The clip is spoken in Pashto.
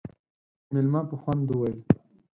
مېلمه په خوند وويل: